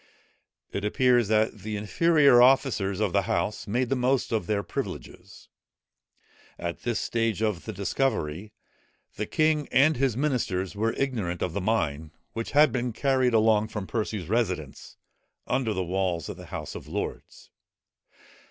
It appears that the inferior officers of the House made the most of their privileges. At this stage of the discovery, the king and his ministers were ignorant of the mine, which had been carried along from Percy's residence, under the walls of the House of Lords.